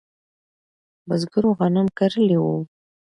بزګرو غنم کرلی و.